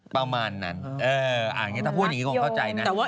ประมาณนั้นถ้าพูดอย่างนี้คงเข้าใจนะ